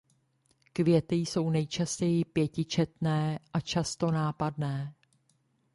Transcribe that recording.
Květy jsou nejčastěji pětičetné a často nápadné.